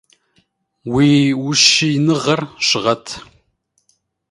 Уи ущииныгъэр щыгъэт!